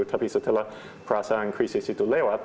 tapi setelah perasaan krisis itu lewat